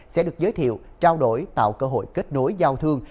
sẽ được giới thiệu trao đổi tạo cơ hội kết nối giao thương